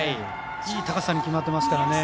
いい高さに決まっていますから。